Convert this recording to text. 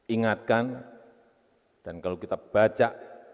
ingatkan dan kalau kita baca